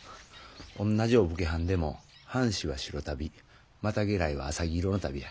おんなじお武家はんでも藩士は白足袋又家来は浅葱色の足袋や。